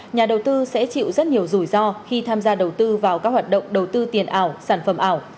nhà đầu tư sẽ chịu rất nhiều rủi ro khi tham gia đầu tư vào các hoạt động đầu tư tiền ảo sản phẩm ảo